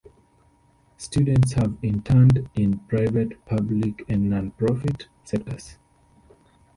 Students have interned in private, public, and non-profit sectors.